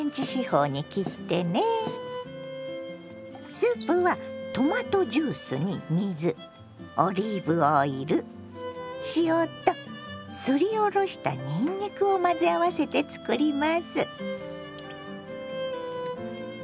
スープはトマトジュースに水オリーブオイル塩とすりおろしたにんにくを混ぜ合わせて作ります。